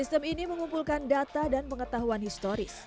sistem ini mengumpulkan data dan pengetahuan historis